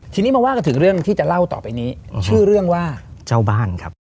ทีนี้มาว่ากันถึงเรื่องที่จะเล่าต่อไปนี้ชื่อเรื่องว่าเจ้าบ้านครับ